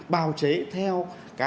bao chế theo